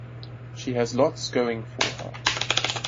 She has lots going for her.